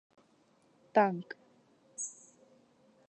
Tanc: